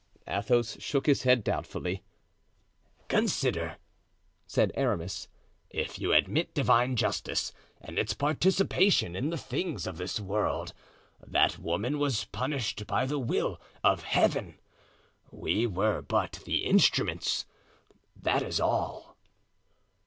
Athos shook his dead doubtfully. "Consider," said Aramis, "if you admit divine justice and its participation in the things of this world, that woman was punished by the will of heaven. We were but the instruments, that is all."